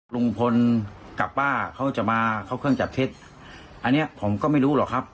ลุงพลกับป้าเขาจะมาเข้าเครื่องจับเท็จอันนี้ผมก็ไม่รู้หรอกครับ